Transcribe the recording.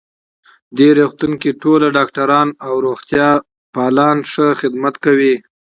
دې روغتون کې ټول ډاکټران او روغتیا پالان ښه خدمت کوی